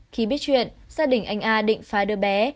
khi biết chuyện gia đình anh a định phái đứa bé